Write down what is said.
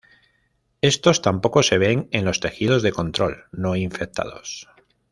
Estos tampoco se ven en los tejidos de control no infectados.